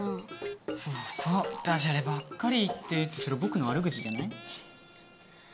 そうそうダジャレばっかり言ってってそれぼくのわる口じゃない？